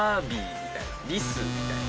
リスみたいな。